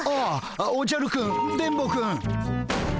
ああおじゃるくん電ボくん。